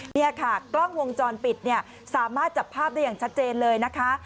นี่ค่ะกล้องวงจรปิดเนี่ยสามารถจับภาพได้อย่างชัดเจนเลยนะคะ